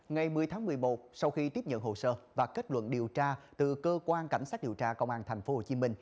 ngày một mươi tháng một mươi một sau khi tiếp nhận hồ sơ và kết luận điều tra từ cơ quan cảnh sát điều tra công an tp hcm